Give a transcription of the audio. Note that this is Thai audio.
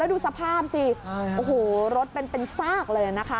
ดูสภาพสิโอ้โหรถเป็นซากเลยนะคะ